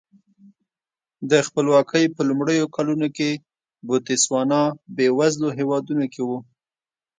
د خپلواکۍ په لومړیو کلونو کې بوتسوانا بېوزلو هېوادونو کې و.